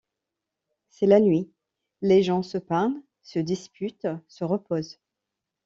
C'est la nuit, les gens se parlent, se disputent, se reposent.